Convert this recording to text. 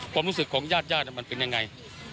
ความรู้สึกของญาติญาติมันเป็นยังไง